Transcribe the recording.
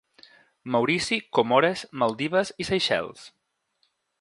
Maurici, Comores, Maldives i Seychelles.